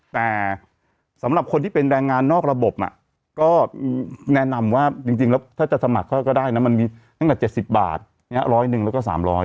แต่สำหรับคนที่เป็นแรงงานนอกระบบก็แนะนำว่าจริงแล้วถ้าจะสมัครเขาก็ได้นะมันมีตั้งแต่๗๐บาทร้อยหนึ่งแล้วก็๓๐๐